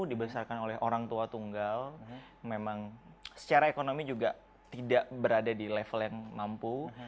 dibesarkan oleh orang tua tunggal memang secara ekonomi juga tidak berada di level yang mampu